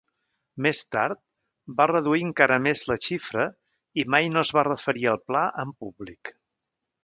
Més tard, va reduir encara més la xifra i mai no es va referir al pla en públic.